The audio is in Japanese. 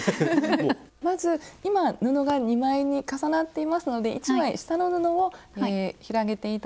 まず今布が２枚に重なっていますので１枚下の布を広げて頂いて。